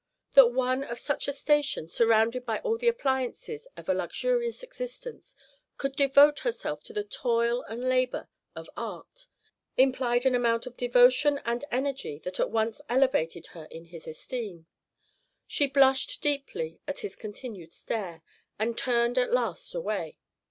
That one of such a station, surrounded by all the appliances of a luxurious existence, could devote herself to the toil and labor of art, implied an amount of devotion and energy that at once elevated her in his esteem. She blushed deeply at his continued stare, and turned at last away.